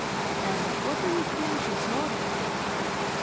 And what do you think she saw there?